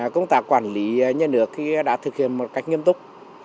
công tác quản lý nhà nước đã thực hiện một cách nghiêm túc